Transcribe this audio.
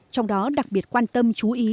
trong đó đặc biệt quan tâm chú ý